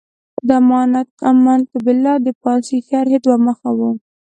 د امنت بالله د پارسي شرحې دوه مخه و.